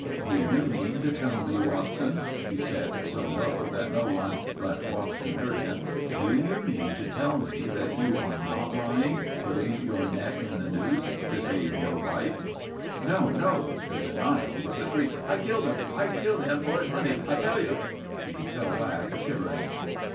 "Do you mean to tell me, Watson," he said so low that no one but Watson heard him; "do you mean to tell me that you are not lying, putting your neck in the noose to save your wife?" "No! No!" the denial was a shriek. "I killed him! I killed him for his money, I tell you!" He fell back, shivering.